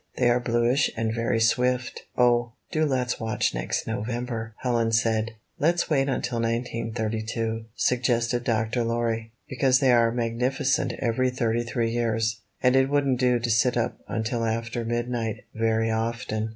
They are bluish and very swift." "Oh, do let's watch next November!" Helen said. ''Let's wait until 1932/' suggested Dr. Lorry, "because they are magnificent every thirty three years. And it wouldn't do to sit up until after midnight very often."